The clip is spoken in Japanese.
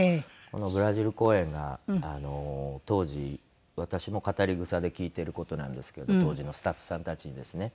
このブラジル公演が当時私も語り草で聞いてる事なんですけど当時のスタッフさんたちにですね。